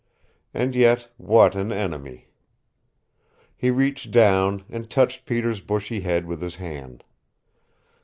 And yet what an enemy! He reached down, and touched Peter's bushy head with his hand.